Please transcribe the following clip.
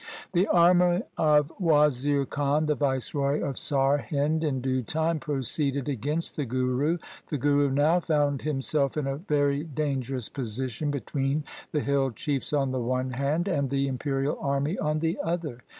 The army of Wazir Khan, the viceroy of Sarhind, in due time proceeded against the Guru The Guru now found himself in a very dangerous position between the hill chiefs on the one hand, and the imperial army on the other.